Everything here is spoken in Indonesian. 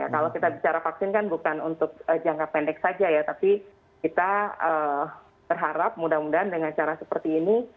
kalau kita bicara vaksin kan bukan untuk jangka pendek saja ya tapi kita berharap mudah mudahan dengan cara seperti ini